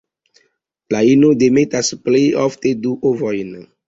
La ino demetas plej ofte du ovojn.